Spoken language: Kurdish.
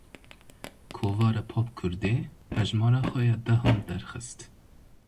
Kovara Popkurdê hejmara xwe ya dehan derxist.